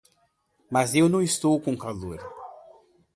Mas eu não estou com calor.